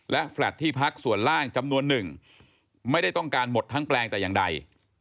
และแฟลตที่พักส่วนล่างจำนวนหนึ่งไม่ได้ต้องการหมดทั้งแปลงแต่อย่างใด